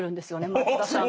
松田さんが。